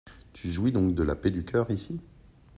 Tu jouis donc de la paix du cœur ici ?